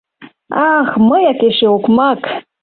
— Ах, мыяк эше окмак!